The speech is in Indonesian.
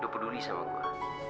lo peduli sama gue